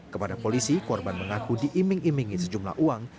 kepada polisi korban mengaku diiming imingi sejumlah uang